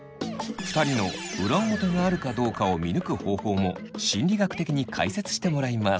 ２人の裏表があるかどうかを見抜く方法も心理学的に解説してもらいます。